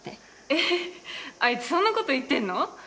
えあいつそんなこと言ってんの？